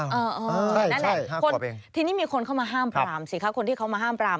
นั่นแหละทีนี้มีคนเข้ามาห้ามปรามสิคะคนที่เขามาห้ามปราม